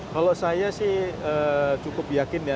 kalau saya sih cukup yakin ya